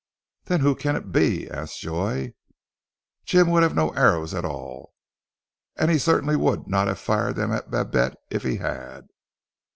"Then who can it be?" asked Joy. "Jim would have no arrows at all, and he certainly would not have fired them at Babette if he had."